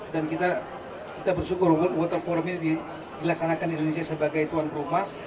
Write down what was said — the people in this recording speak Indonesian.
dan kita bersyukur water forum ini dilaksanakan indonesia sebagai tuan perumah